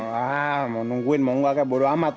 wah mau nungguin mau nggak kayak baru amat